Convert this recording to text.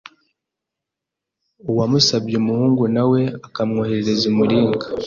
uwamusabye umuhungu na we akamwoherereza umuringa